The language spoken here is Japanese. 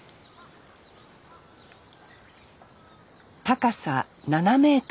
高さ７ｍ。